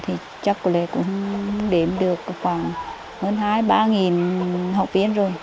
thì chắc có lẽ cũng đếm được khoảng hơn hai ba nghìn học viên rồi